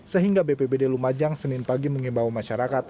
sehingga bpbd lumajang senin pagi mengimbau masyarakat